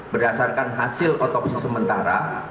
berdasarkan hasil otopsi sementara